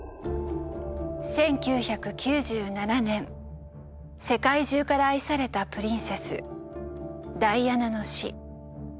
１９９７年世界中から愛されたプリンセスダイアナの死。